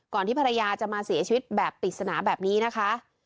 ที่ภรรยาจะมาเสียชีวิตแบบปริศนาแบบนี้นะคะ